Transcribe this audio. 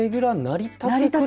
なりたて。